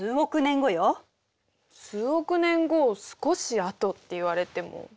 数億年後を「少しあと」って言われても。